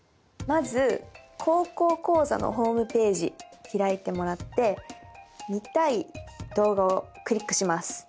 まず「高校講座」のホームページ開いてもらって見たい動画をクリックします。